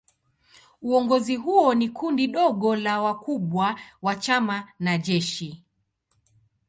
Uongozi huo ni kundi dogo la wakubwa wa chama na jeshi.